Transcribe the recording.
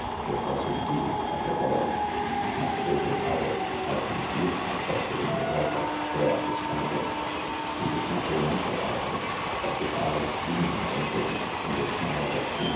It ,wasin:dee4, • ,$t)iciwald. :; lialf overpowered, I, exceeded "myself within the, do or way , where I wa^ standing^"' ..'■'..''■.' ;.*fie did not remember Arvon, but with eyes beaming beneiiceocej and a smile tijiat seemed.